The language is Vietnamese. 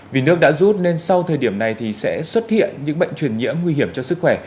vì nước đã rút nên sau thời điểm này thì sẽ xuất hiện những bệnh truyền nhiễm nguy hiểm cho sức khỏe